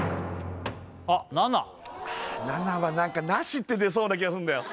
あっ７７は何か「なし」って出そうな気がすんだよ